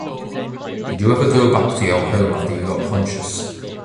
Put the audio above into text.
Did you ever go back to your home after you got conscious?